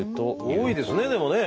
多いですねでもね。